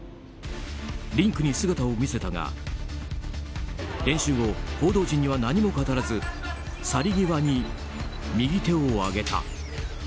リンクに姿を見せたが練習後、報道陣には何も語らず去り際に右手を上げた。